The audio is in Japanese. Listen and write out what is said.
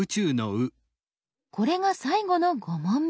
これが最後の５問目。